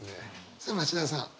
さあ町田さん。